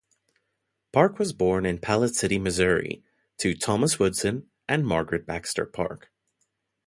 Park was born in Platte City, Missouri to Thomas Woodson and Margaret Baxter Park.